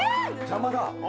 邪魔だ！